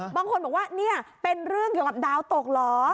บางคนบอกว่านี่เป็นเรื่องเกี่ยวกับดาวตกเหรอ